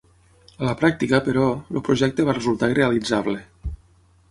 A la pràctica, però, el projecte va resultar irrealitzable.